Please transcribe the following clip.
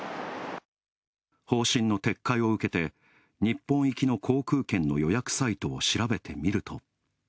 方針の撤回を受けて、日本行きの航空券の予約サイトを調べてみると。